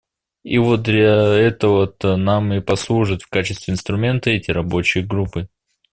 И вот для этого-то нам и послужат в качестве инструмента эти рабочие группы.